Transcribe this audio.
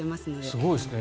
すごいですね。